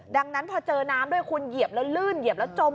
ดังนั้นพอเจอน้ำด้วยคุณเหยียบแล้วลื่นเหยียบแล้วจม